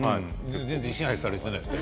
全然支配されていないです。